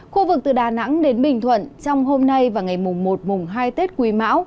khu vực từ đà nẵng đến bình thuận trong hôm nay và ngày mùng một mùng hai tết quý mão